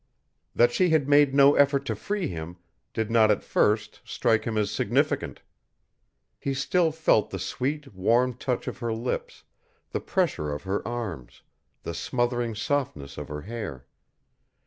That she had made no effort to free him did not at first strike him as significant. He still felt the sweet, warm touch of her lips, the pressure of her arms, the smothering softness of her hair.